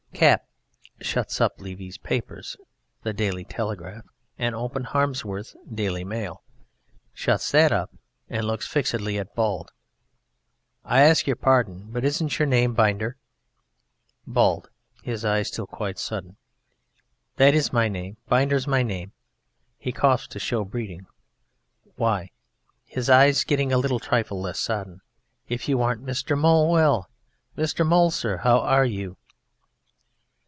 CAP (shuts up Levy's paper, "The Daily Telegraph," and opens Harmsworth's "Daily Mail," Shuts that up and looks fixedly at BALD): I ask your pardon ... but isn't your name Binder? BALD (his eyes still quite sodden): That is my name. Binder's my name. (He coughs to show breeding.) Why! (his eyes getting a trifle less sodden) if you aren't Mr. Mowle! Well, Mr. Mowle, sir, how are you?